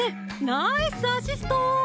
ナイスアシスト！